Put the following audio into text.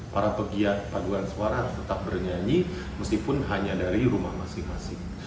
para pegiat paduan suara harus tetap bernyanyi meskipun hanya dari rumah masing masing